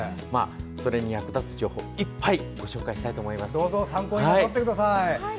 それに役立つ情報をいっぱいご紹介したいと思います。